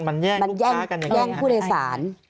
มันแย่งรูปค้ากันอย่างไร